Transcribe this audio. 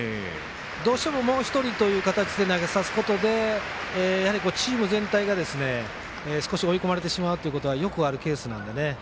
どうしても、もう一人という形で投げさせることでチーム全体が少し追い込まれてしまうということはよくあるケースなんでね。